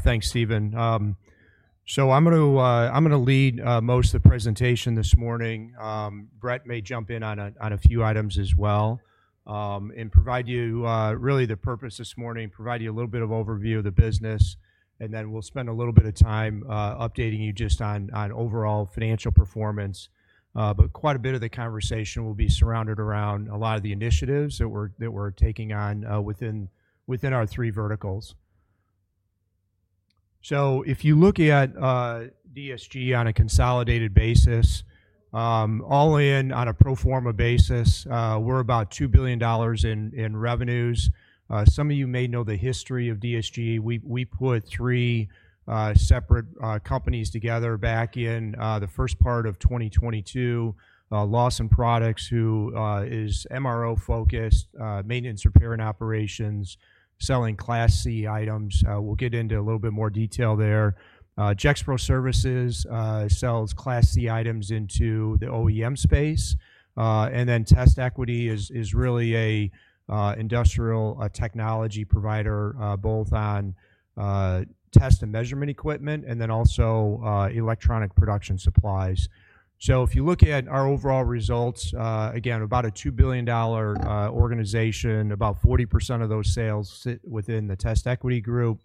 Thanks, Steven. I'm going to lead most of the presentation this morning. Brett may jump in on a few items as well and provide you really the purpose this morning, provide you a little bit of overview of the business, and then we'll spend a little bit of time updating you just on overall financial performance. Quite a bit of the conversation will be surrounded around a lot of the initiatives that we're taking on within our three verticals. If you look at DSG on a consolidated basis, all in on a pro forma basis, we're about $2 billion in revenues. Some of you may know the history of DSG. We put three separate companies together back in the first part of 2022: Lawson Products, who is MRO-focused, maintenance, repair, and operations, selling Class C items. We'll get into a little bit more detail there. Gexpro Services sells Class C items into the OEM space. TestEquity is really an industrial technology provider, both on test and measurement equipment, and also electronic production supplies. If you look at our overall results, again, about a $2 billion organization, about 40% of those sales sit within the TestEquity Group,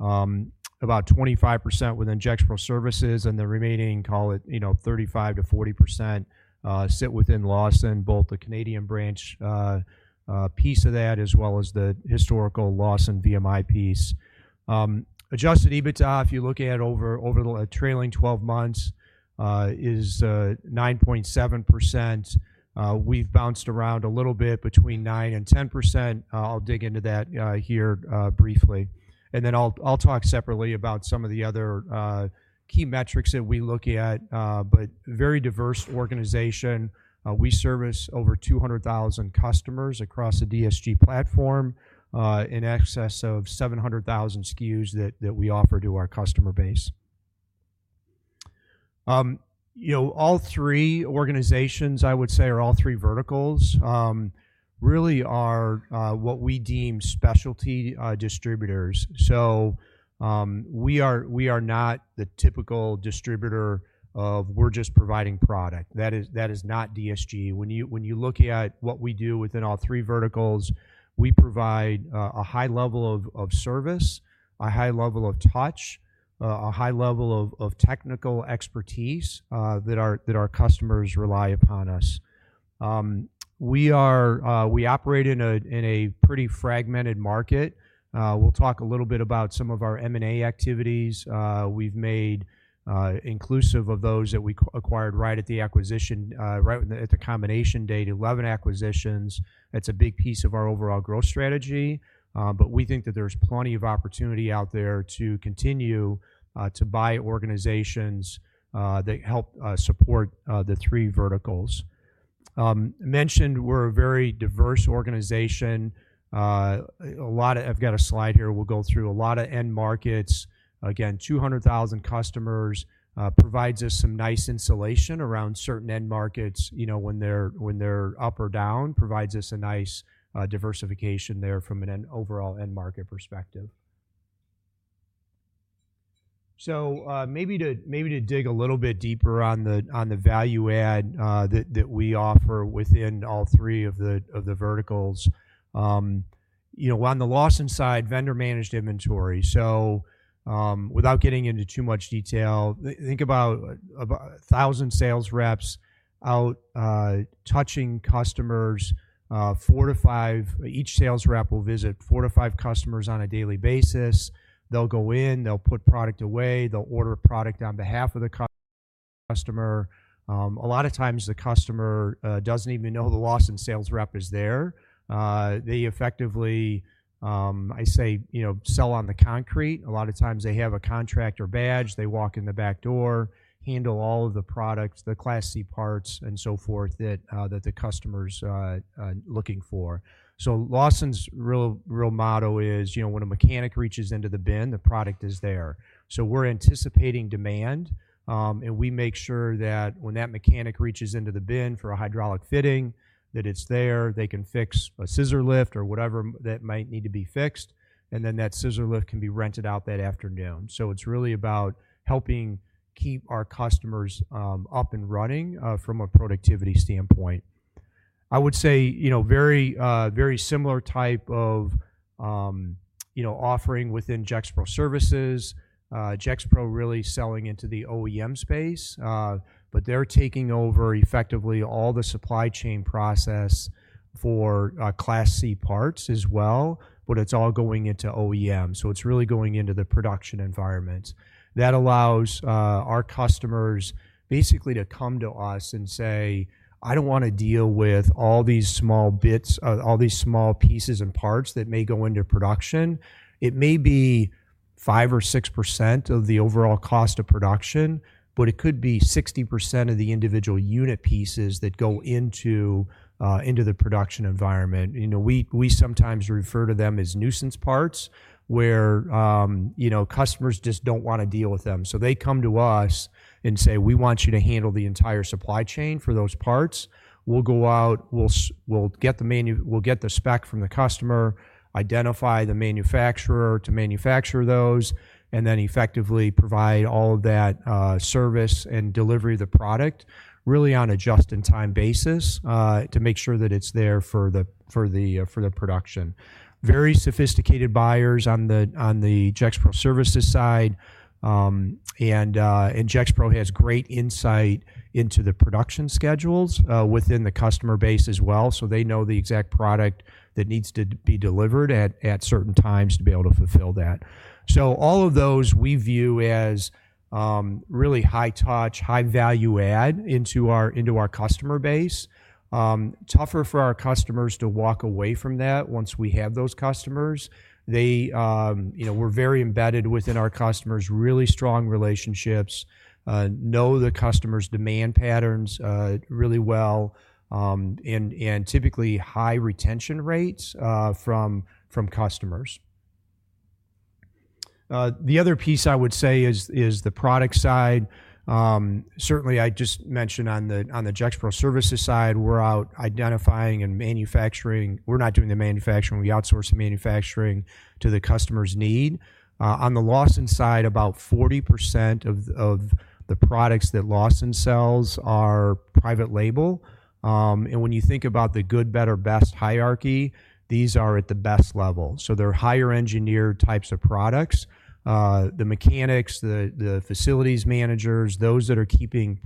about 25% within Gexpro Services, and the remaining, call it 35%-40%, sit within Lawson, both the Canadian branch piece of that as well as the historical Lawson VMI piece. Adjusted EBITDA, if you look at over the trailing 12 months, is 9.7%. We have bounced around a little bit between 9% and 10%. I will dig into that here briefly. I will talk separately about some of the other key metrics that we look at, but very diverse organization. We service over 200,000 customers across the DSG platform in excess of 700,000 SKUs that we offer to our customer base. All three organizations, I would say, or all three verticals, really are what we deem specialty distributors. We are not the typical distributor of, "We're just providing product." That is not DSG. When you look at what we do within all three verticals, we provide a high level of service, a high level of touch, a high level of technical expertise that our customers rely upon us. We operate in a pretty fragmented market. We'll talk a little bit about some of our M&A activities. We've made, inclusive of those that we acquired right at the acquisition, right at the combination date, 11 acquisitions. That's a big piece of our overall growth strategy. We think that there's plenty of opportunity out there to continue to buy organizations that help support the three verticals. I mentioned we're a very diverse organization. I've got a slide here. We'll go through a lot of end markets. Again, 200,000 customers provides us some nice insulation around certain end markets when they're up or down, provides us a nice diversification there from an overall end market perspective. Maybe to dig a little bit deeper on the value add that we offer within all three of the verticals. On the Lawson side, vendor-managed inventory. Without getting into too much detail, think about 1,000 sales reps out touching customers. Each sales rep will visit 4-5 customers on a daily basis. They'll go in, they'll put product away, they'll order product on behalf of the customer. A lot of times the customer does not even know the Lawson sales rep is there. They effectively, I say, sell on the concrete. A lot of times they have a contract or badge, they walk in the back door, handle all of the products, the Class C parts, and so forth that the customer is looking for. Lawson's real motto is, "When a mechanic reaches into the bin, the product is there." We are anticipating demand, and we make sure that when that mechanic reaches into the bin for a hydraulic fitting, it is there, they can fix a scissor lift or whatever that might need to be fixed, and then that scissor lift can be rented out that afternoon. It is really about helping keep our customers up and running from a productivity standpoint. I would say very similar type of offering within Gexpro Services. Services really selling into the OEM space, but they're taking over effectively all the supply chain process for Class C parts as well, but it's all going into OEM. So it's really going into the production environment. That allows our customers basically to come to us and say, "I don't want to deal with all these small bits, all these small pieces and parts that may go into production. It may be 5% or 6% of the overall cost of production, but it could be 60% of the individual unit pieces that go into the production environment." We sometimes refer to them as nuisance parts where customers just don't want to deal with them. They come to us and say, "We want you to handle the entire supply chain for those parts." We'll go out, we'll get the spec from the customer, identify the manufacturer to manufacture those, and then effectively provide all of that service and delivery of the product really on a just-in-time basis to make sure that it's there for the production. Very sophisticated buyers on the Gexpro Services side, and Gexpro has great insight into the production schedules within the customer base as well. They know the exact product that needs to be delivered at certain times to be able to fulfill that. All of those we view as really high touch, high value add into our customer base. Tougher for our customers to walk away from that once we have those customers. We're very embedded within our customers, really strong relationships, know the customer's demand patterns really well, and typically high retention rates from customers. The other piece I would say is the product side. Certainly, I just mentioned on the Gexpro Services side, we're out identifying and manufacturing. We're not doing the manufacturing. We outsource the manufacturing to the customer's need. On the Lawson side, about 40% of the products that Lawson sells are private label. When you think about the good, better, best hierarchy, these are at the best level. They're higher engineered types of products. The mechanics, the facilities managers, those that are keeping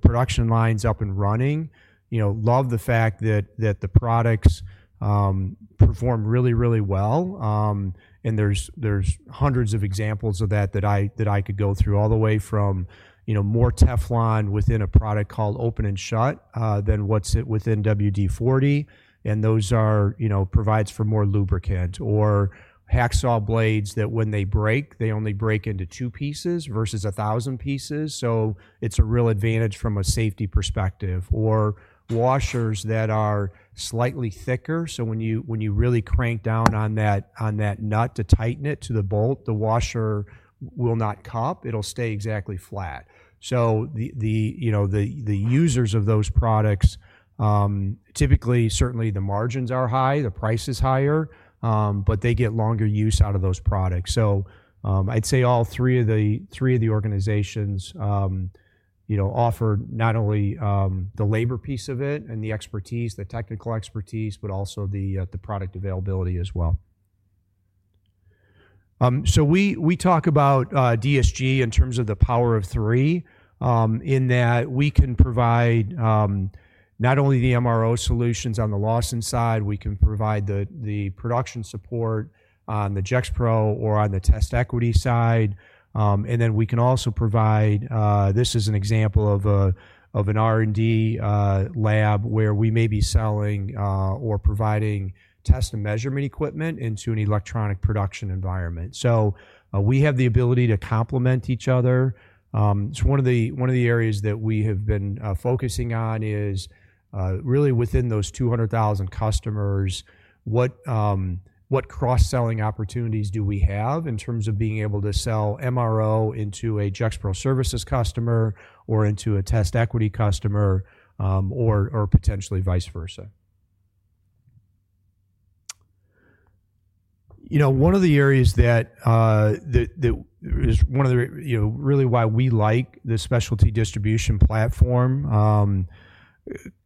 production lines up and running love the fact that the products perform really, really well. There are hundreds of examples of that that I could go through, all the way from more Teflon within a product called Open & Shut than what's within WD-40. Those provide for more lubricant or hacksaw blades that when they break, they only break into two pieces versus 1,000 pieces. It is a real advantage from a safety perspective. Washers that are slightly thicker, so when you really crank down on that nut to tighten it to the bolt, the washer will not cup. It will stay exactly flat. The users of those products, typically, certainly the margins are high, the price is higher, but they get longer use out of those products. I would say all three of the organizations offer not only the labor piece of it and the expertise, the technical expertise, but also the product availability as well. We talk about DSG in terms of the power of three in that we can provide not only the MRO solutions on the Lawson side, we can provide the production support on the Gexpro or on the TestEquity side. We can also provide, this is an example of an R&D lab where we may be selling or providing test and measurement equipment into an electronic production environment. We have the ability to complement each other. One of the areas that we have been focusing on is really within those 200,000 customers, what cross-selling opportunities do we have in terms of being able to sell MRO into a Gexpro Services customer or into a TestEquity customer or potentially vice versa. One of the areas that is really why we like the specialty distribution platform,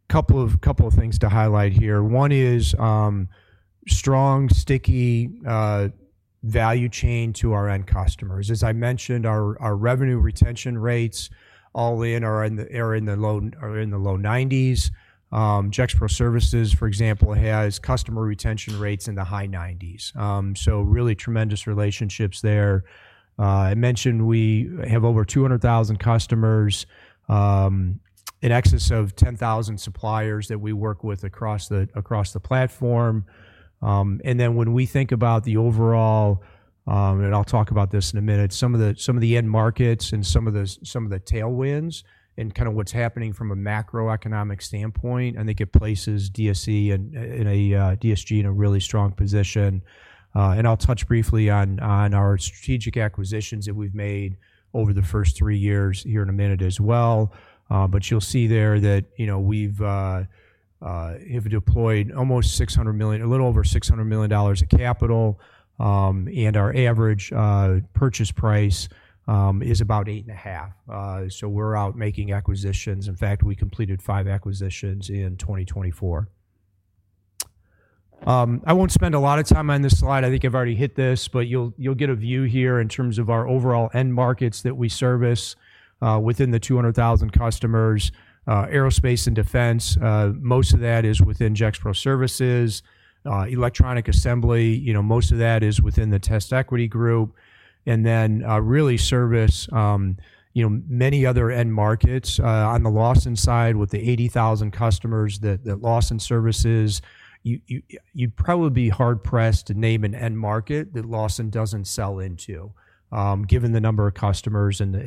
a couple of things to highlight here. One is strong, sticky value chain to our end customers. As I mentioned, our revenue retention rates all in are in the low 90%. Gexpro Services, for example, has customer retention rates in the high 90%. Really tremendous relationships there. I mentioned we have over 200,000 customers, in excess of 10,000 suppliers that we work with across the platform. When we think about the overall, and I'll talk about this in a minute, some of the end markets and some of the tailwinds and kind of what's happening from a macroeconomic standpoint, I think it places DSG in a really strong position. I'll touch briefly on our strategic acquisitions that we've made over the first three years here in a minute as well. You'll see there that we've deployed almost $600 million, a little over $600 million of capital, and our average purchase price is about 8.5. We're out making acquisitions. In fact, we completed five acquisitions in 2024. I won't spend a lot of time on this slide. I think I've already hit this, but you'll get a view here in terms of our overall end markets that we service within the 200,000 customers. Aerospace and defense, most of that is within Gexpro Services. Electronic assembly, most of that is within the TestEquity Group. We really service many other end markets. On the Lawson side, with the 80,000 customers that Lawson services, you'd probably be hard-pressed to name an end market that Lawson doesn't sell into, given the number of customers and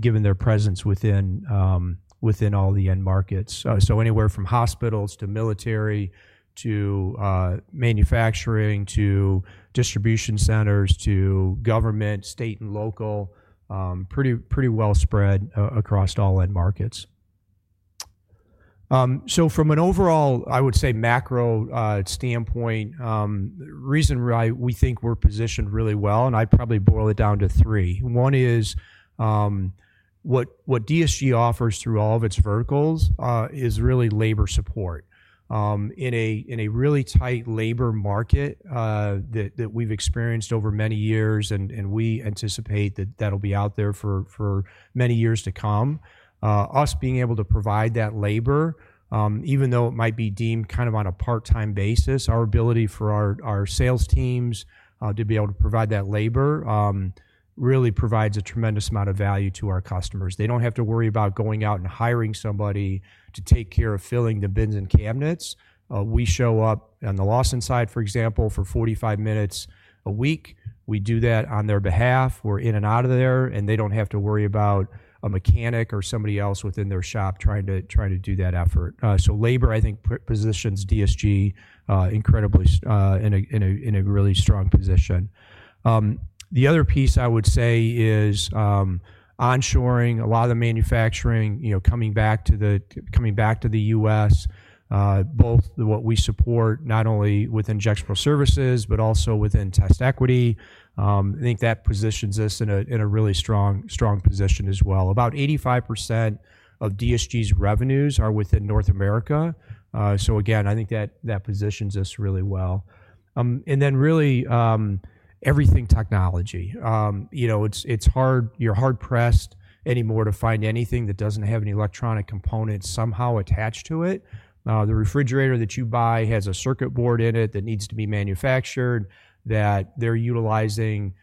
given their presence within all the end markets. Anywhere from hospitals to military to manufacturing to distribution centers to government, state and local, pretty well spread across all end markets. From an overall, I would say, macro standpoint, the reason why we think we're positioned really well, and I'd probably boil it down to three. One is what DSG offers through all of its verticals is really labor support. In a really tight labor market that we've experienced over many years, and we anticipate that that'll be out there for many years to come, us being able to provide that labor, even though it might be deemed kind of on a part-time basis, our ability for our sales teams to be able to provide that labor really provides a tremendous amount of value to our customers. They don't have to worry about going out and hiring somebody to take care of filling the bins and cabinets. We show up on the Lawson side, for example, for 45 minutes a week. We do that on their behalf. We're in and out of there, and they don't have to worry about a mechanic or somebody else within their shop trying to do that effort. So labor, I think, positions DSG incredibly in a really strong position. The other piece I would say is onshoring. A lot of the manufacturing coming back to the U.S., both what we support not only within Gexpro Services but also within TestEquity. I think that positions us in a really strong position as well. About 85% of DSG's revenues are within North America. Again, I think that positions us really well. And then really everything technology. It's hard. You're hard-pressed anymore to find anything that doesn't have any electronic components somehow attached to it. The refrigerator that you buy has a circuit board in it that needs to be manufactured, that they're utilizing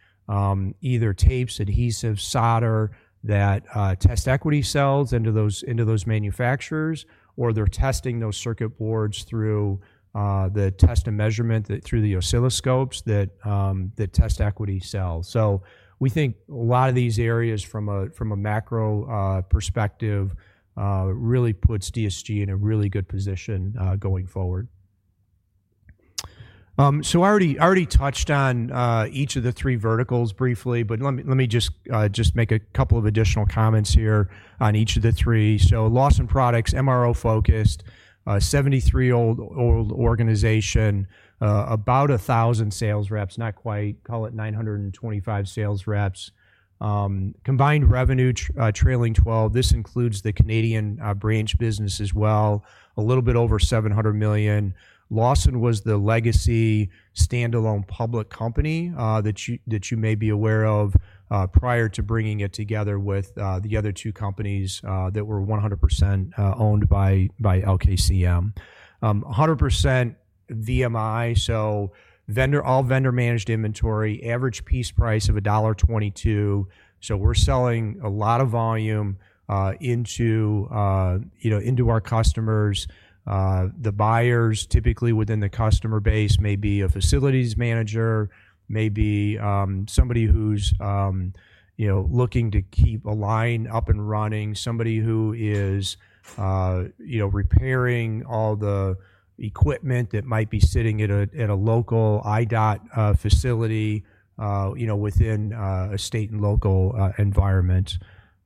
either tapes, adhesives, solder that TestEquity sells into those manufacturers, or they're testing those circuit boards through the test and measurement through the oscilloscopes that TestEquity sells. We think a lot of these areas from a macro perspective really puts DSG in a really good position going forward. I already touched on each of the three verticals briefly, but let me just make a couple of additional comments here on each of the three. Lawson Products, MRO-focused, 73-year-old organization, about 1,000 sales reps, not quite, call it 925 sales reps. Combined revenue trailing 12. This includes the Canadian branch business as well, a little bit over $700 million. Lawson was the legacy standalone public company that you may be aware of prior to bringing it together with the other two companies that were 100% owned by LKCM. 100% VMI, so all vendor-managed inventory, average piece price of $1.22. We are selling a lot of volume into our customers. The buyers typically within the customer base may be a facilities manager, maybe somebody who is looking to keep a line up and running, somebody who is repairing all the equipment that might be sitting at a local IDOT facility within a state and local environment.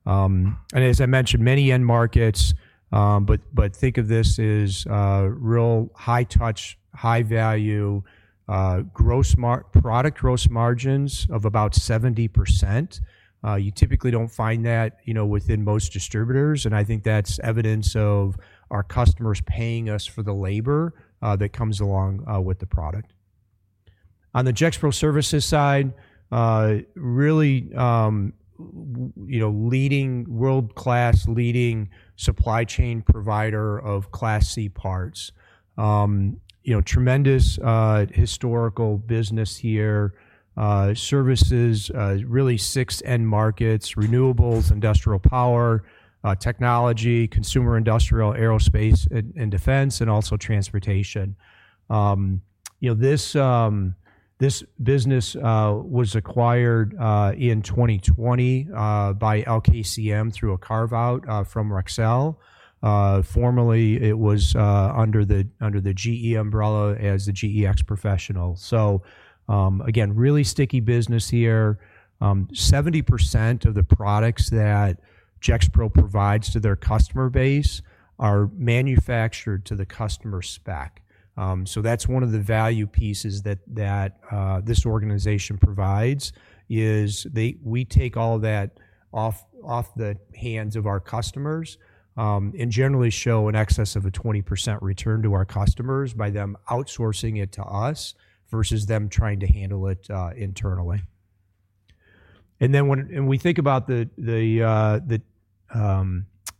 As I mentioned, many end markets, but think of this as real high touch, high value, product gross margins of about 70%. You typically do not find that within most distributors, and I think that is evidence of our customers paying us for the labor that comes along with the product. On the Gexpro Services side, really world-class leading supply chain provider of Class C parts. Tremendous historical business here. Services, really six end markets: renewables, industrial power, technology, consumer industrial, aerospace, and defense, and also transportation. This business was acquired in 2020 by LKCM through a carve-out from Rexel. Formerly, it was under the GE umbrella as the GE professional. So again, really sticky business here. 70% of the products that Gexpro provides to their customer base are manufactured to the customer spec. That is one of the value pieces that this organization provides is we take all that off the hands of our customers and generally show an excess of a 20% return to our customers by them outsourcing it to us versus them trying to handle it internally. When we think about the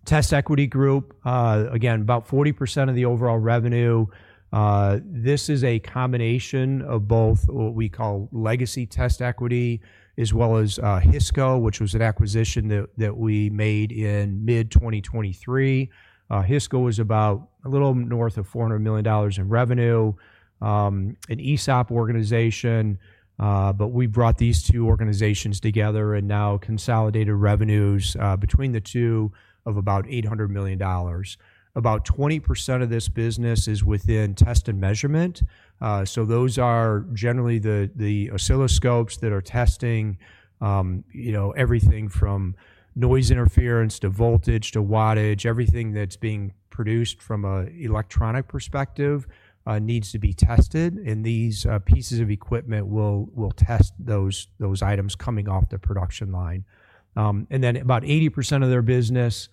TestEquity Group, again, about 40% of the overall revenue. This is a combination of both what we call legacy TestEquity as well as Hisco, which was an acquisition that we made in mid-2023. Hisco was about a little north of $400 million in revenue, an ESOP organization, but we brought these two organizations together and now consolidated revenues between the two of about $800 million. About 20% of this business is within test and measurement. Those are generally the oscilloscopes that are testing everything from noise interference to voltage to wattage. Everything that's being produced from an electronic perspective needs to be tested, and these pieces of equipment will test those items coming off the production line. About 80% of their business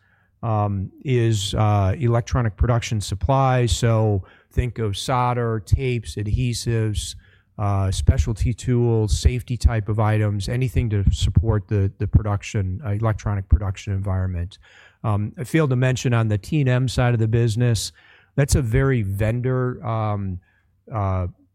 is electronic production supplies. Think of solder, tapes, adhesives, specialty tools, safety type of items, anything to support the electronic production environment. I failed to mention on the T&M side of the business, that's a very vendor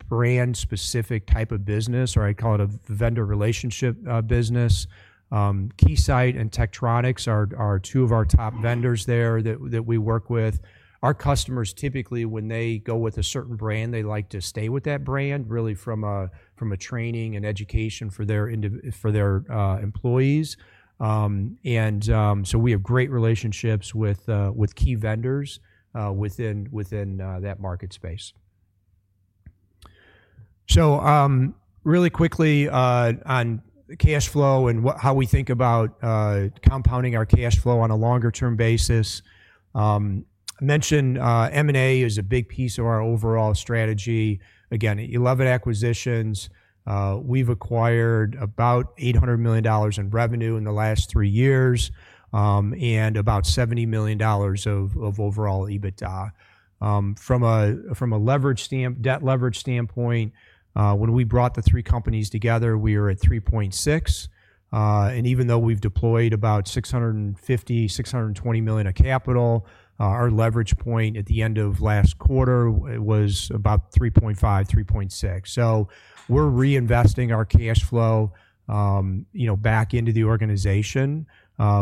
brand-specific type of business, or I call it a vendor relationship business. Keysight and Tektronix are two of our top vendors there that we work with. Our customers, typically, when they go with a certain brand, they like to stay with that brand really from a training and education for their employees. We have great relationships with key vendors within that market space. Really quickly on cash flow and how we think about compounding our cash flow on a longer-term basis. I mentioned M&A is a big piece of our overall strategy. Again, 11 acquisitions. We've acquired about $800 million in revenue in the last three years and about $70 million of overall EBITDA. From a debt leverage standpoint, when we brought the three companies together, we were at 3.6. Even though we've deployed about $650 million, $620 million of capital, our leverage point at the end of last quarter was about 3.5-3.6. We are reinvesting our cash flow back into the organization.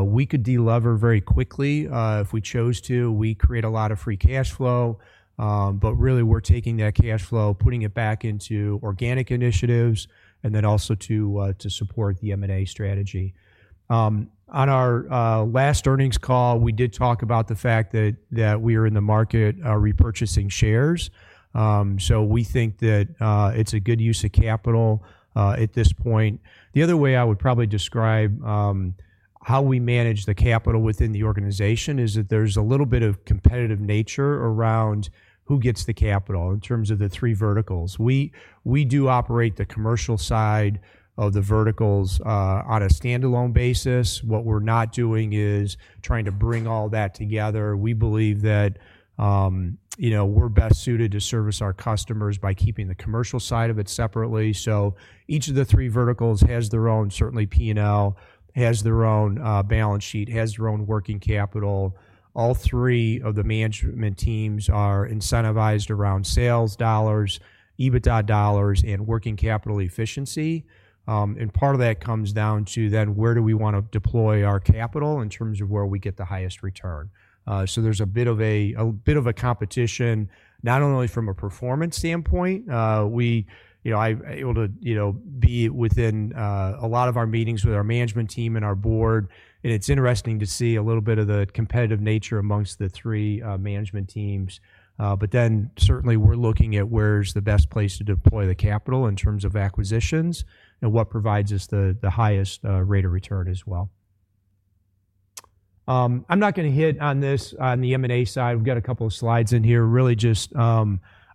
We could delever very quickly if we chose to. We create a lot of free cash flow, but really we are taking that cash flow, putting it back into organic initiatives, and then also to support the M&A strategy. On our last earnings call, we did talk about the fact that we are in the market repurchasing shares. We think that it is a good use of capital at this point. The other way I would probably describe how we manage the capital within the organization is that there is a little bit of competitive nature around who gets the capital in terms of the three verticals. We do operate the commercial side of the verticals on a standalone basis. What we're not doing is trying to bring all that together. We believe that we're best suited to service our customers by keeping the commercial side of it separately. Each of the three verticals has their own, certainly P&L, has their own balance sheet, has their own working capital. All three of the management teams are incentivized around sales dollars, EBITDA dollars, and working capital efficiency. Part of that comes down to then where do we want to deploy our capital in terms of where we get the highest return. There's a bit of a competition, not only from a performance standpoint. I'm able to be within a lot of our meetings with our management team and our board, and it's interesting to see a little bit of the competitive nature amongst the three management teams. Certainly we're looking at where's the best place to deploy the capital in terms of acquisitions and what provides us the highest rate of return as well. I'm not going to hit on this on the M&A side. We've got a couple of slides in here, really just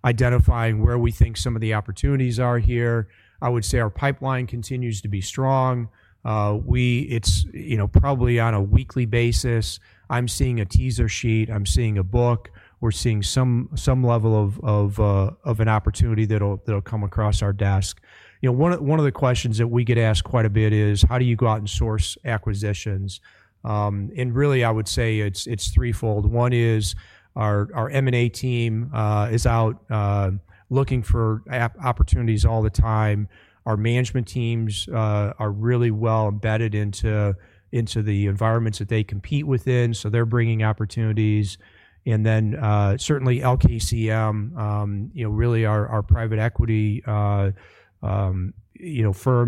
identifying where we think some of the opportunities are here. I would say our pipeline continues to be strong. It's probably on a weekly basis. I'm seeing a teaser sheet. I'm seeing a book. We're seeing some level of an opportunity that'll come across our desk. One of the questions that we get asked quite a bit is, how do you go out and source acquisitions? Really, I would say it's threefold. One is our M&A team is out looking for opportunities all the time. Our management teams are really well embedded into the environments that they compete within, so they're bringing opportunities. Certainly LKCM, really our private equity firm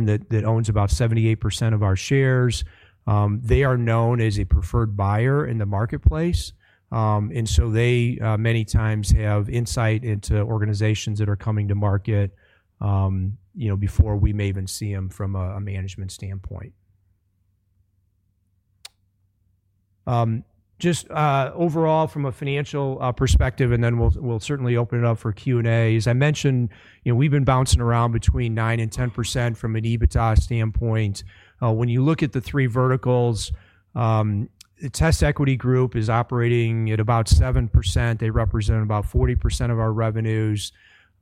that owns about 78% of our shares, they are known as a preferred buyer in the marketplace. They many times have insight into organizations that are coming to market before we may even see them from a management standpoint. Just overall from a financial perspective, and then we'll certainly open it up for Q&A. As I mentioned, we've been bouncing around between 9%-10% from an EBITDA standpoint. When you look at the three verticals, the TestEquity Group is operating at about 7%. They represent about 40% of our revenues.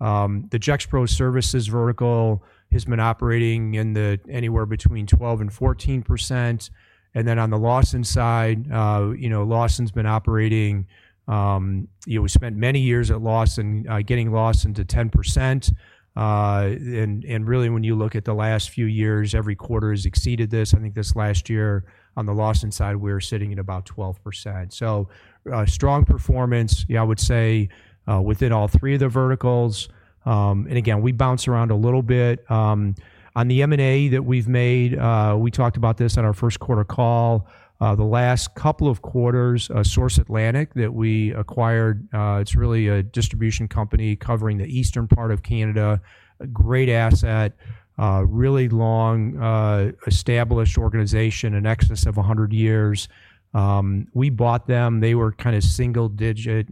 The Gexpro Services vertical has been operating anywhere between 12% and 14%. On the Lawson side, Lawson's been operating, we spent many years at Lawson getting Lawson to 10%. Really, when you look at the last few years, every quarter has exceeded this. I think this last year on the Lawson side, we were sitting at about 12%. Strong performance, yeah, I would say within all three of the verticals. Again, we bounce around a little bit. On the M&A that we've made, we talked about this on our first quarter call. The last couple of quarters, Source Atlantic that we acquired, it's really a distribution company covering the eastern part of Canada, a great asset, really long-established organization, an existence of 100 years. We bought them. They were kind of mid-single-digit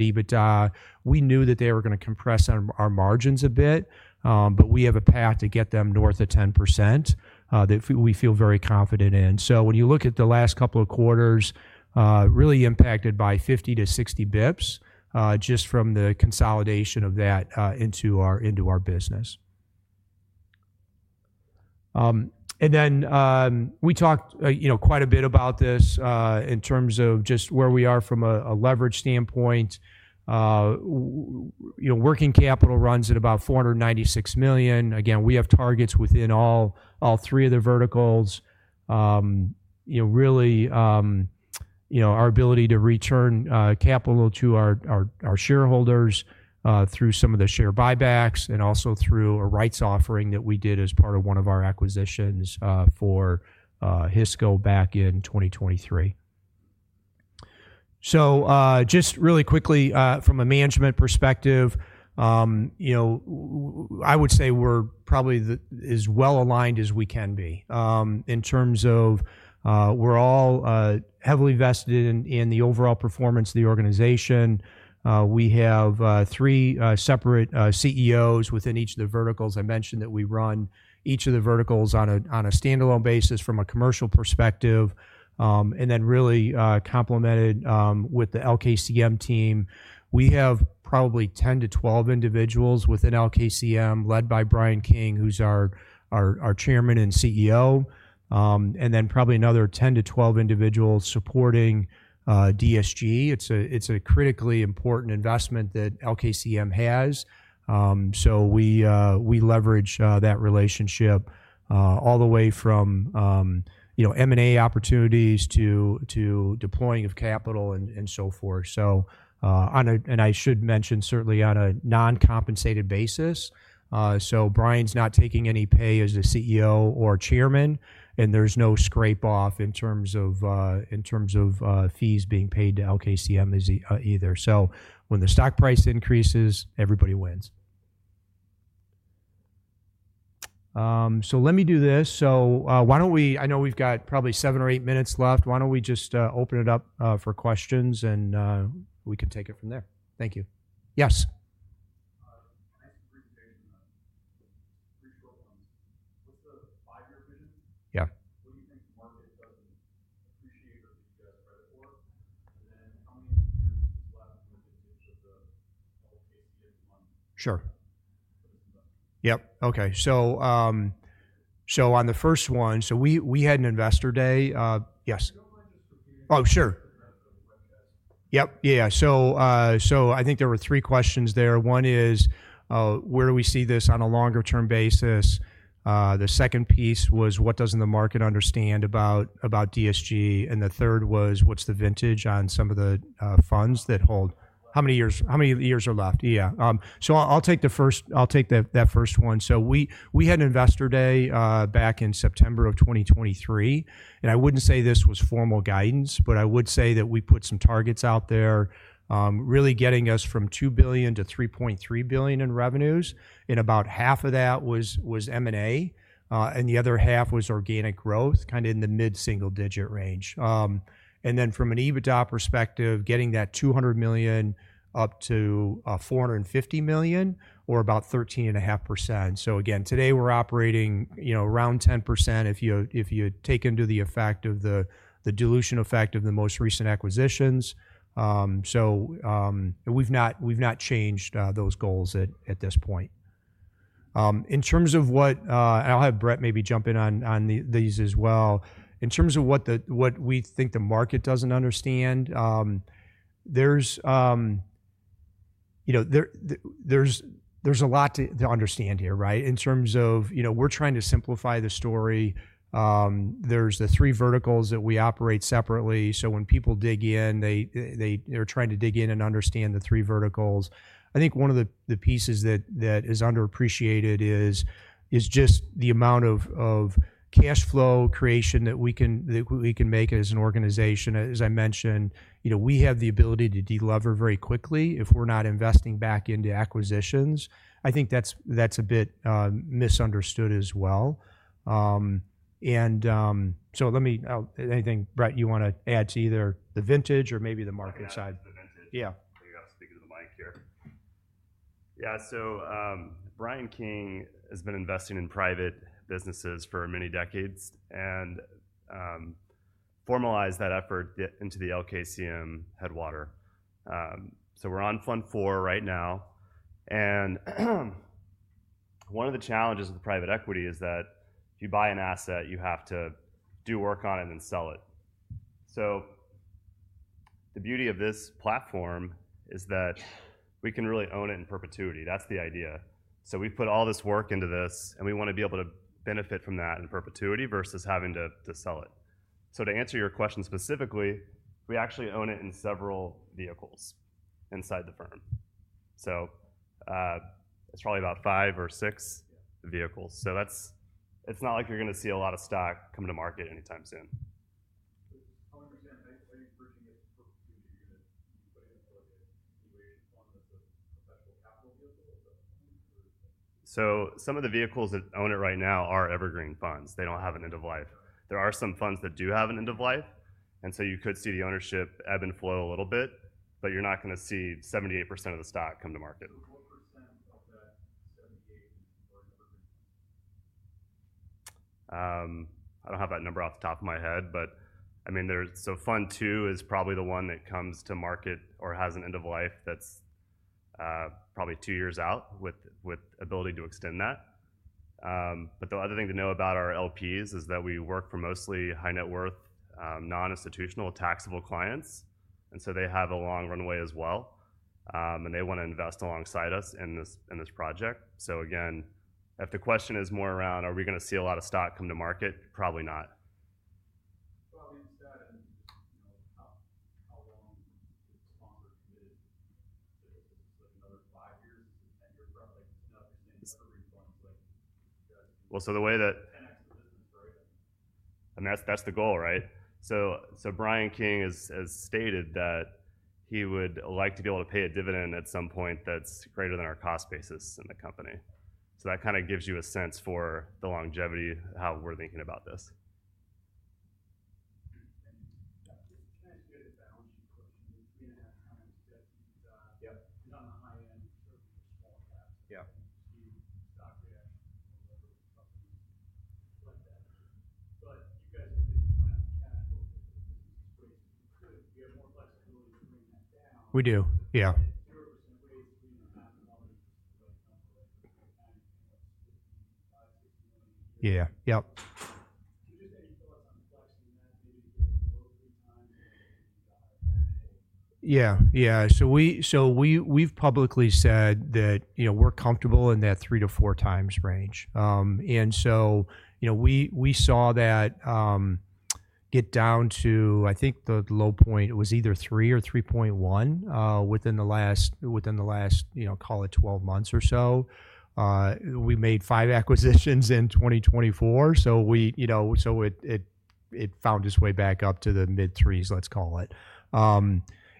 EBITDA. We knew that they were going to compress our margins a bit, but we have a path to get them north of 10% that we feel very confident in. When you look at the last couple of quarters, really impacted by 50-60 basis points just from the consolidation of that into our business. We talked quite a bit about this in terms of just where we are from a leverage standpoint. Working capital runs at about $496 million. Again, we have targets within all three of the verticals. Really, our ability to return capital to our shareholders through some of the share buybacks and also through a rights offering that we did as part of one of our acquisitions for Hisco back in 2023. Just really quickly from a management perspective, I would say we're probably as well aligned as we can be in terms of we're all heavily vested in the overall performance of the organization. We have three separate CEOs within each of the verticals. I mentioned that we run each of the verticals on a standalone basis from a commercial perspective. Then really complemented with the LKCM team, we have probably 10-12 individuals within LKCM led by Bryan King, who's our Chairman and CEO. Then probably another 10-12 individuals supporting DSG. It's a critically important investment that LKCM has. We leverage that relationship all the way from M&A opportunities to deploying of capital and so forth. I should mention certainly on a non-compensated basis. Bryan's not taking any pay as a CEO or chairman, and there's no scrape-off in terms of fees being paid to LKCM either. When the stock price increases, everybody wins. Let me do this. I know we've got probably seven or eight minutes left. Why don't we just open it up for questions and we can take it from there? Thank you. Yes. Nice presentation. What's the five-year vision? What do you think the market doesn't appreciate or be best ready for? How many years is left in the distance of the LKCM fund? Sure. Yep. Okay. On the first one, we had an investor day. Yes. If you don't mind just repeating that. Oh, sure. Yep. Yeah. So I think there were three questions there. One is, where do we see this on a longer-term basis? The second piece was, what does not the market understand about DSG? And the third was, what is the vintage on some of the funds that hold? How many years are left? Yeah. So I will take that first one. We had an investor day back in September of 2023. I would not say this was formal guidance, but I would say that we put some targets out there, really getting us from $2 billion to $3.3 billion in revenues. About half of that was M&A, and the other half was organic growth, kind of in the mid-single-digit range. Then from an EBITDA perspective, getting that $200 million up to $450 million or about 13.5%. Again, today we're operating around 10% if you take into the effect of the dilution effect of the most recent acquisitions. We've not changed those goals at this point. In terms of what—and I'll have Brett maybe jump in on these as well. In terms of what we think the market doesn't understand, there's a lot to understand here, right? We're trying to simplify the story. There are the three verticals that we operate separately. When people dig in, they're trying to dig in and understand the three verticals. I think one of the pieces that is underappreciated is just the amount of cash flow creation that we can make as an organization. As I mentioned, we have the ability to delever very quickly if we're not investing back into acquisitions. I think that's a bit misunderstood as well. Let me—anything, Brett, you want to add to either the vintage or maybe the market side? I got to speak to the mic here. Yeah. Bryan King has been investing in private businesses for many decades and formalized that effort into the LKCM Headwater. We're on Fund IV right now. One of the challenges with private equity is that if you buy an asset, you have to do work on it and then sell it. The beauty of this platform is that we can really own it in perpetuity. That's the idea. We've put all this work into this, and we want to be able to benefit from that in perpetuity versus having to sell it. To answer your question specifically, we actually own it in several vehicles inside the firm. It's probably about five or six vehicles. It's not like you're going to see a lot of stock come to market anytime soon. How many percent are you purchasing it in perpetuity units? Are you putting it in an evaluation fund that's a professional capital vehicle? Some of the vehicles that own it right now are evergreen funds. They do not have an end of life. There are some funds that do have an end of life. You could see the ownership ebb and flow a little bit, but you are not going to see 78% of the stock come to market. What percent of that 78% are evergreen funds? I don't have that number off the top of my head, but I mean, Fund II is probably the one that comes to market or has an end of life that's probably two years out with ability to extend that. The other thing to know about our LPs is that we work for mostly high-net-worth, non-institutional, taxable clients. They have a long runway as well, and they want to invest alongside us in this project. Again, if the question is more around, are we going to see a lot of stock come to market? Probably not. I mean, it's that and how long is longer committed to business? Is it another five years? Is it a 10-year project? Now that you're saying evergreen funds, like you guys. The way that. 10X the business, right? That is the goal, right? Bryan King has stated that he would like to be able to pay a dividend at some point that is greater than our cost basis in the company. That kind of gives you a sense for the longevity, how we are thinking about this. Can I ask you a balance sheet question? Three and a half times, you got these on the high end, certainly for small caps, and you see stock reaction to delivery companies like that. You guys have been planning cash flow businesses raising. You could, you have more flexibility to bring that down. We do. Yeah. At 0% raise, $3.50 is the right number for a timeframe of $55 million-$60 million a year. Yeah. Yep. Just any thoughts on flexing that, maybe getting lower three times and then maybe you got that? Yeah. Yeah. We've publicly said that we're comfortable in that 3x-4x range. We saw that get down to, I think the low point, it was either 3x or 3.1x within the last, call it, 12 months or so. We made five acquisitions in 2024, so it found its way back up to the mid-threes, let's call it.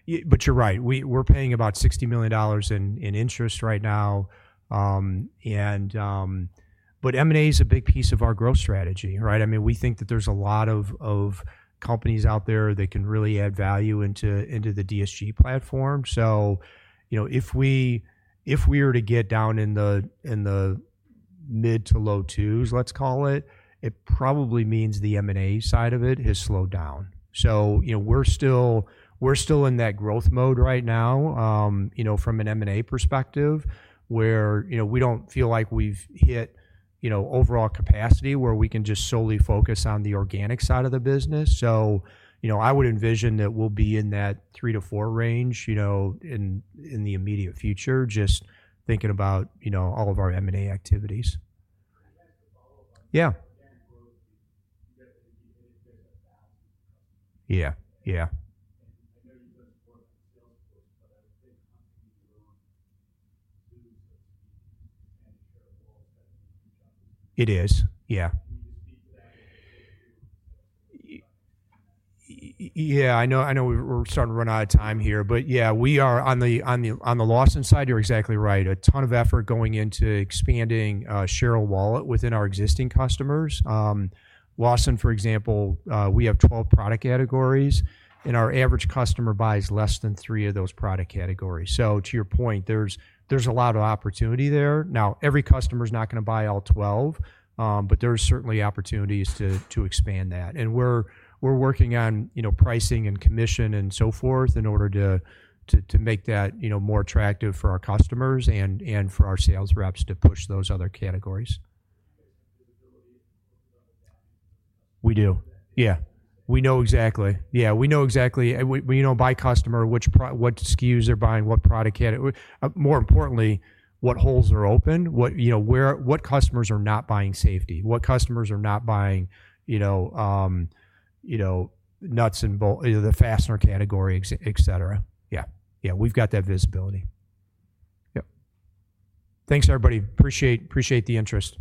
You're right. We're paying about $60 million in interest right now. M&A is a big piece of our growth strategy, right? I mean, we think that there's a lot of companies out there that can really add value into the DSG platform. If we were to get down in the mid to low twos, let's call it, it probably means the M&A side of it has slowed down. We're still in that growth mode right now from an M&A perspective where we don't feel like we've hit overall capacity where we can just solely focus on the organic side of the business. I would envision that we'll be in that 3-4 range in the immediate future, just thinking about all of our M&A activities. Can I ask a follow-up? Yeah. Again, growth piece. You get to the beginning, you get to 1,000 customers. Yeah. Yeah. I know you don't support Salesforce, but I would say companies you own do, so to speak, expand the share of walls, that's a huge opportunity. It is. Yeah. You need to speak to that. Yeah. I know we're starting to run out of time here, but yeah, we are on the Lawson side, you're exactly right. A ton of effort going into expanding share of wallet within our existing customers. Lawson, for example, we have 12 product categories, and our average customer buys less than three of those product categories. To your point, there's a lot of opportunity there. Now, every customer is not going to buy all 12, but there's certainly opportunities to expand that. We're working on pricing and commission and so forth in order to make that more attractive for our customers and for our sales reps to push those other categories. Basic visibility on what the value for the customer is. We do. Yeah. We know exactly. We know by customer what SKUs they're buying, what product category. More importantly, what holes are open, what customers are not buying safety, what customers are not buying nuts and bolts, the fastener category, etc. We've got that visibility. Yep. Thanks, everybody. Appreciate the interest.